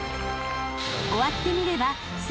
［終わってみれば］